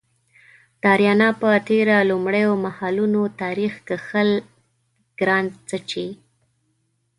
د اریانا په تیره د لومړیو مهالونو تاریخ کښل ګران څه چې